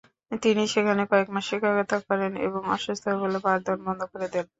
তিনি সেখানে কয়েক মাস শিক্ষকতা করেন এবং অসুস্থ হয়ে পড়লে পাঠদান বন্ধ করে দেন।